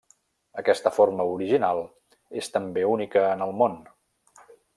Aquesta forma original és també única en el món.